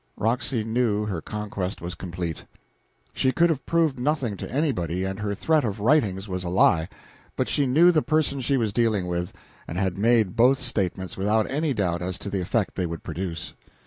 Roxy knew her conquest was complete. She could have proved nothing to anybody, and her threat about the writings was a lie; but she knew the person she was dealing with, and had made both statements without any doubt as to the effect they would produce.